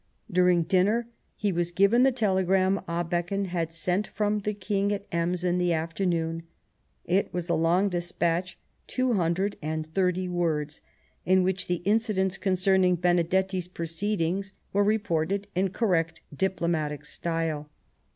During dinner he was given the telegram Abeken had sent from the King at Ems in the afternoon ; it was a long despatch — two hundred and thirty words — in which the inci dents concerning Benedetti's proceedings were reported in correct diplomatic style.